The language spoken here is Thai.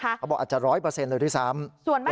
เขาบอกว่าอาจจะร้อยเปอร์เซ็นต์เลยที่ซ้ำ